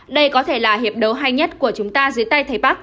đây có thể là hiệp đấu hay nhất của chúng ta dưới tay thái bắc